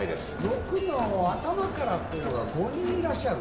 ６の「頭から」っていうのが５人いらっしゃるんです。